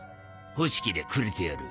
欲しけりゃくれてやる」